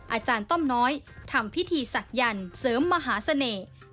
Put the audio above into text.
อาจารย์ต้มน้อยทำพิธีศักยรภ์เสริมมหาเสน่ห์